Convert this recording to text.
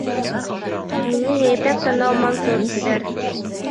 — Мине Йәйпәк танау Мансур тиҙәр.